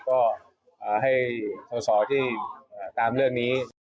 ก็ให้สอบสอบให้ตามเรื่องนี้